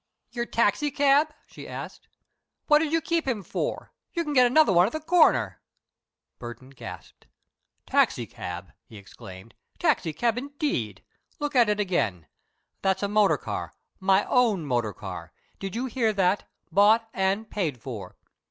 Your taxicab?" she asked. "What did you keep him for? You can get another one at the corner." Burton gasped. "Taxicab!" he exclaimed. "Taxicab, indeed! Look at it again. That's a motor car my own motor car. Do you hear that? Bought and paid for!"